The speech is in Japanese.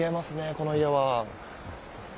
この岩は。